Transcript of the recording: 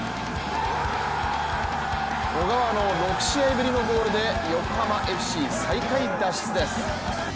小川の６試合ぶりのゴールで横浜ＦＣ、最下位脱出です。